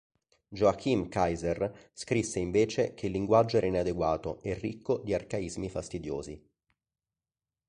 Joachim Kaiser scrisse invece che il linguaggio era inadeguato e ricco di arcaismi fastidiosi.